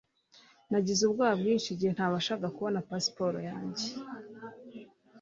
nagize ubwoba bwinshi igihe ntabashaga kubona pasiporo yanjye